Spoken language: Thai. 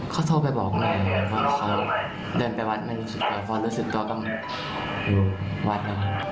เขาโทรไปบอกหน่อยว่าเขาเดินไปวัดไม่รู้สึกตัวพอรู้สึกตัวก็วัดแล้วครับ